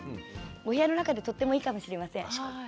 お部屋の中でとってもいいかもしれません。